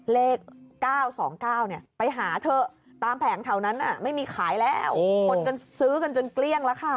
เลข๙๒๙ไปหาเถอะตามแผงแถวนั้นไม่มีขายแล้วคนก็ซื้อกันจนเกลี้ยงแล้วค่ะ